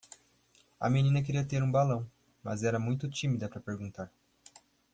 A menina queria ter um balão, mas era muito tímida para perguntar.